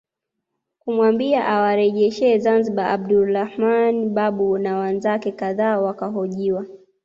Kumwambia awarejeshe Zanzibar Abdulrahman Babu na wenzake kadhaa wakahojiwe